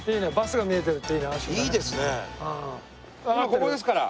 ここですから。